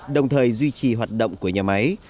đồng thời duy trì hoạt động của nhà máy